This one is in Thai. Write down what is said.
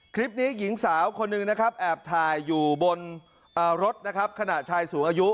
คลิปนี้หญิงสาวคนหนึ่งแอบถ่ายอยู่บนรถขณะชายสูงอายุ